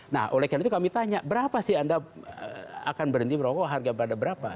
nah oleh karena itu kami tanya berapa sih anda akan berhenti merokok harga pada berapa